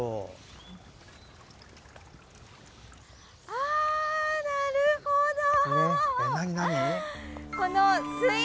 あー、なるほど！